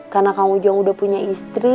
karena kang ujung udah punya istri